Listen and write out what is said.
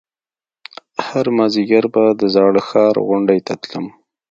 هر مازديگر به د زاړه ښار غونډۍ ته تلم.